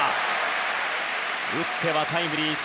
打ってはタイムリー